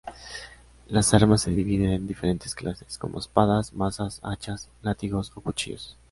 Las armas se dividen en diferentes clases, como espadas, mazas, hachas, látigos o cuchillos.